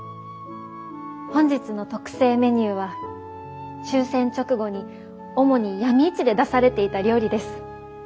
本日の特製メニューは終戦直後に主に闇市で出されていた料理です。